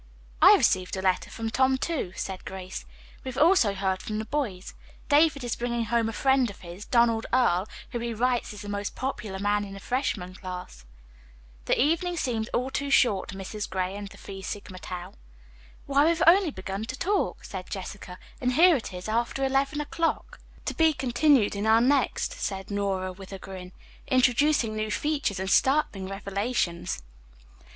"I received a letter from Tom, too," said Grace. "We have also heard from the boys. David is bringing home a friend of his, Donald Earle, who, he writes, is the most popular man in the freshman class." The evening seemed all too short to Mrs. Gray and the Phi Sigma Tau. "Why, we've only begun to talk," said Jessica, "and here it is after eleven o'clock." "To be continued in our next," said Nora with a grin. "Introducing new features and startling revelations."